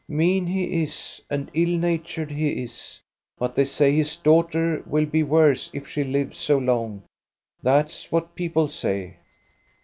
"Mean he is, and ill natured he is, but they say his daughter will be worse if she lives so long ; that 's what people say."